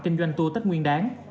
kinh doanh tour tết nguyên đáng